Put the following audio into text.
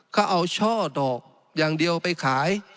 ก็เอาช่อดอกอย่างเดียวไปขาย